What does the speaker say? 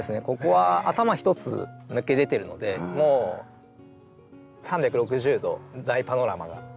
ここは頭一つ抜け出てるのでもう３６０度大パノラマが。